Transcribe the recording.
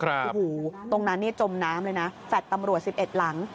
อูหูตรงนั้นนี่จมน้ำเลยนะแฟดตำรวจ๑๑หลัง